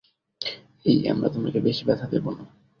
এই, আমরা তোমাকে বেশি ব্যথা দেবো না।